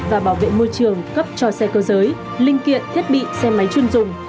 và bảo vệ môi trường cấp cho xe cơ giới linh kiện thiết bị xe máy chuyên dùng